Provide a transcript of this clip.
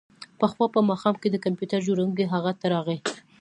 پخوا په ماښام کې د کمپیوټر جوړونکی هغه ته راغی